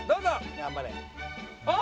頑張れ。